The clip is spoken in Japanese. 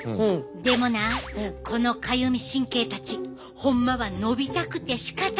でもなこのかゆみ神経たちホンマは伸びたくてしかたがないねん！